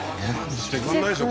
してくれないでしょ